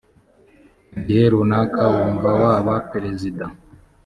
mu gihe runaka wumva waba perezida